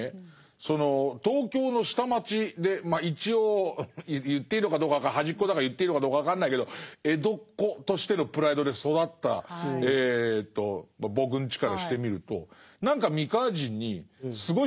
その東京の下町で一応言っていいのかどうか分からない端っこだから言っていいのかどうか分かんないけど江戸っ子としてのプライドで育った僕んちからしてみると何かそうですよね